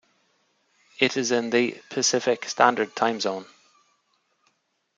It is in the Pacific Standard Time Zone.